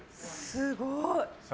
すごい。